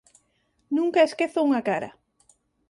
Nunca esquezo unha cara.